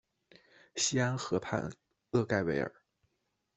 西安河畔厄盖维尔。